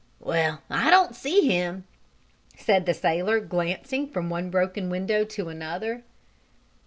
Well, I don't see him!" said the sailor glancing from one broken window to another.